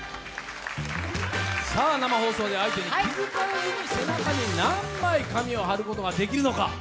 生放送で相手に気づかれずに背中に何枚紙を貼ることができるのか？